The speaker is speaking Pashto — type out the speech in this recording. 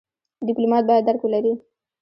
ډيپلومات بايد درک ولري.